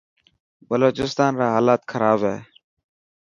بلوچستان را هالات خراب هي.